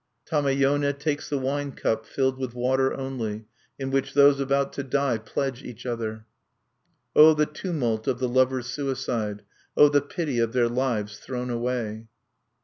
_ "Tamayone takes the wine cup filled with water only, in which those about to die pledge each other.... "_O the tumult of the lovers' suicide! O the pity of their lives thrown away!